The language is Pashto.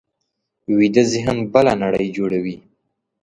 ویده ذهن بله نړۍ جوړوي